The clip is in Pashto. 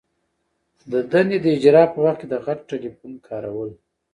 د دندي د اجرا په وخت کي د غټ ټلیفون کارول.